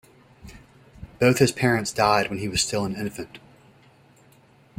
Both his parents died when he was still an infant.